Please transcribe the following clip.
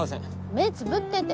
目つぶってて。